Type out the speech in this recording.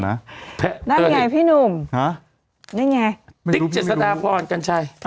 อะไรนะไม่